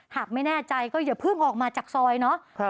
หากไม่แน่ใจก็อย่าเพิ่งออกมาจากซอยเนาะ